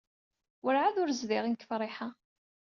Werɛad ur zdiɣen deg Friḥa.